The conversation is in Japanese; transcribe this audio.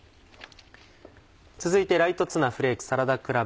続いて「ライトツナフレークサラダクラブ」